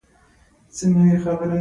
بزګر له خاورې سره خبرې کوي